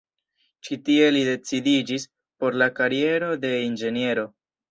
Ĉi tie li decidiĝis por la kariero de Inĝeniero.